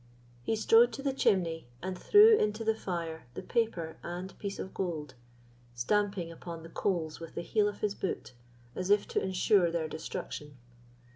He strode to the chimney, and threw into the fire the paper and piece of gold, stamping upon the coals with the heel of his boot, as if to ensure their destruction.